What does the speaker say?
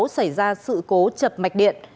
xảy ra sự cố chập mạch điện